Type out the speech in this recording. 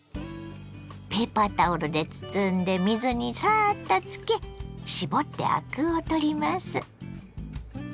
ペーパータオルで包んで水にサッとつけ絞ってアクを取ります。